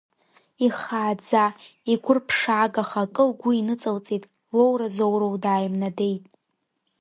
Ихааӡа, игәырԥшаагаха акы лгәы иныҵалеит, лоуразоуроу дааимнадеит.